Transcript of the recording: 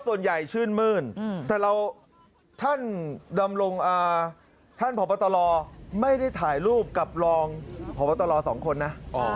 ส่วนใหญ่ชื่นมื้นแต่เราท่านดำรงท่านผอบตรไม่ได้ถ่ายรูปกับรองพบตรสองคนนะ